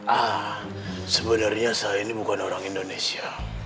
ah sebenarnya saya ini bukan orang indonesia